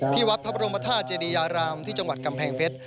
วัดพระบรมธาตุเจดียารามที่จังหวัดกำแพงเพชร